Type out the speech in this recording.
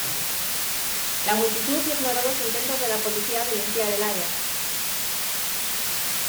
La multitud ignoró los intentos de la policía de limpiar el área.